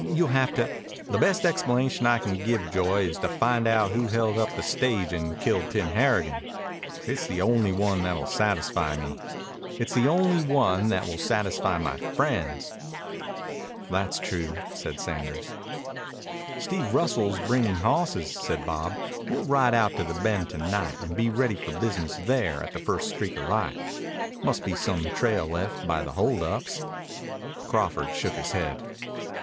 You'll have to " "The best explanation I can give, Joy, is to find out who held up the stage and killed Tim Harrigan. It's the only one that will satisfy me. It's the only one that will satisfy my friends." "That's true," said Sanders. "Steve Russell is bringin' hawsses," said Bob. "We'll ride out to the Bend to night and be ready for business there at the first streak of light. Must be some trail left by the hold ups." Crawford shook his head.